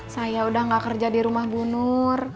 saya udah gak kerja di rumah bu nur